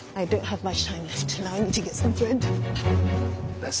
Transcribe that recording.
よし。